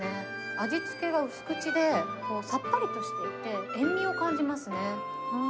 味付けは薄口で、さっぱりとしていて、塩味を感じますね。